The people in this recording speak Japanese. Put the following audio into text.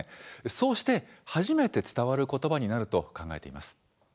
そうして初めて伝わることばになると考えています。